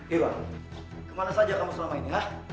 irwan kemana saja kamu selama ini